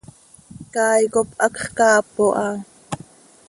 Caay cop hacx caap oo ha.